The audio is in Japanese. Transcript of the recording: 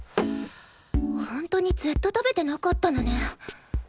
ほんとにずっと食べてなかったのね。